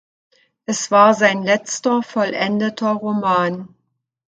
Es war sein letzter vollendeter Roman.